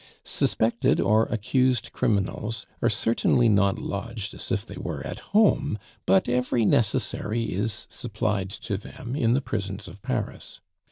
Suspected or accused criminals are certainly not lodged as if they were at home; but every necessary is supplied to them in the prisons of Paris.